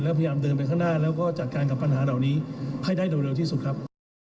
แล้วพยายามเดินไปข้างหน้าแล้วก็จัดการกับปัญหาเหล่านี้ให้ได้โดยเร็วที่สุดครับ